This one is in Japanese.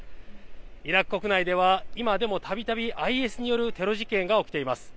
イラク国内では今でも、たびたびＩＳによるテロ事件が起きています。